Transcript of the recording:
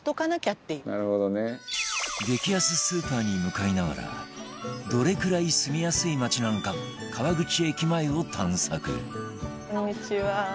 激安スーパーに向かいながらどれくらい住みやすい街なのか川口駅前を探索